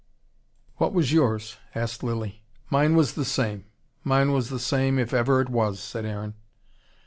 "What was yours?" asked Lilly. "Mine was the same. Mine was the same, if ever it was," said Aaron.